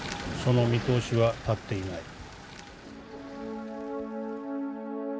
その見通しは立っていない」。